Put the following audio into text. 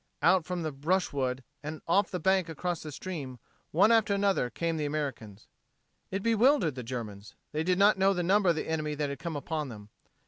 Out from the brushwood and off the bank across the stream, one after another, came the Americans. It bewildered the Germans. They did not know the number of the enemy that had come upon them.